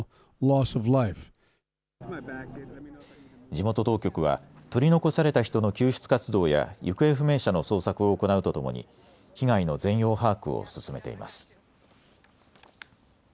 地元当局は取り残された人の救出活動や行方不明者の捜索を行うとともに被害の全容把握を進めています。